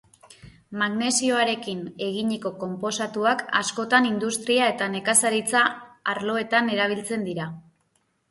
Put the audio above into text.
Magnesioarekin eginiko konposatuak askotan industria eta nekazaritza arloetan erabiltzen dira.